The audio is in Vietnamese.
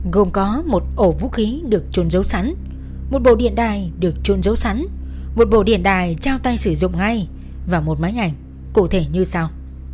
gồm có một ổ vũ khí được trôn dấu sắn một bộ điện đài được trôn dấu sắn một bộ điện đài trao tay sử dụng ngay và một máy ảnh cụ thể như sau